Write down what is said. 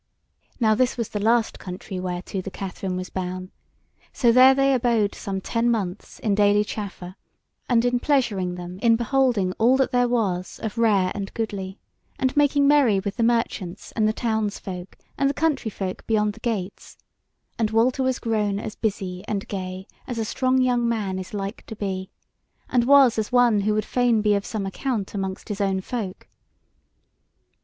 Now this was the last country whereto the Katherine was boun; so there they abode some ten months in daily chaffer, and in pleasuring them in beholding all that there was of rare and goodly, and making merry with the merchants and the towns folk, and the country folk beyond the gates, and Walter was grown as busy and gay as a strong young man is like to be, and was as one who would fain be of some account amongst his own folk.